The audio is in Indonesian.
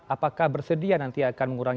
apakah bersedia nanti akan mengurangi